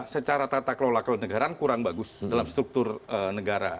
secara tata kelola kelenegaraan kurang bagus dalam struktur negara